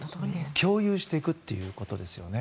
共有していくということですね。